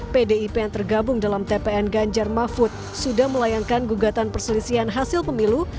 pdip yang tergabung dalam tpn ganjar mahfud sudah melayangkan gugatan perselisihan hasil pemilu